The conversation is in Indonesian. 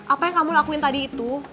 apa yang kamu lakuin tadi itu